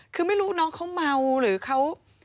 คือไม่รู้น้องเขาเมาหรือเขา